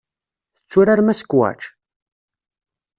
Tetturarem asekwac?